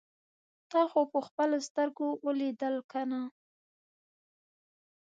تا خو په خپلو سترګو اوليدل کنه.